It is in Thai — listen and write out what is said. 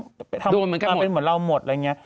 โดนเหมือนกันหมดอาจจะเป็นเหมือนเราหมดอะไรอย่างนี้